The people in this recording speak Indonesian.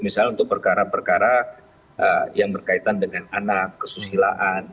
misalnya untuk perkara perkara yang berkaitan dengan anak kesusilaan